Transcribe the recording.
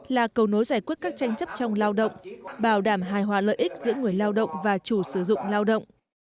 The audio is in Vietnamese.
là cầu nối giải quyết các tranh chấp trong lao động bảo đảm hài hòa lợi ích giữa người lao động và chủ sử dụng lao động